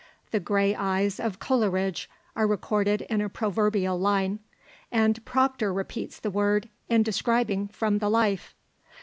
The grey eyes of Coleridge are recorded in a proverbial line, and Procter repeats the word, in describing from the life.